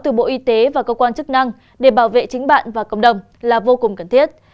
từ bộ y tế và cơ quan chức năng để bảo vệ chính bạn và cộng đồng là vô cùng cần thiết